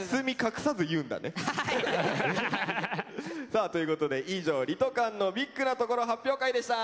さあということで以上「リトかんのＢＩＧなところ発表会」でした。